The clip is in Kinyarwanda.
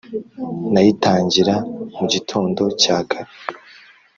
Nayitangira mu gitondo cya kare